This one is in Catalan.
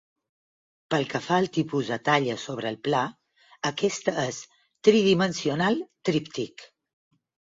Pel que fa al tipus de talla sobre el pla, aquesta és tridimensional -tríptic-.